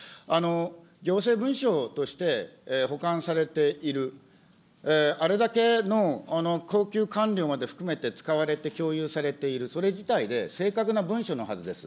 行政文書として、保管されている、あれだけの高級官僚まで含めて使われて共有されている、それ自体で、正確な文書のはずです。